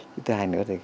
thứ hai nữa